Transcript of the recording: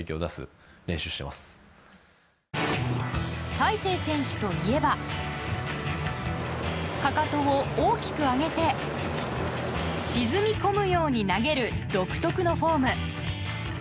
大勢選手といえばかかとを大きく上げて沈み込むように投げる独特のフォーム。